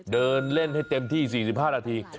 เดินเล่นให้เต็มที่๔๕นาที